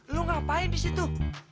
lo ngapain di situ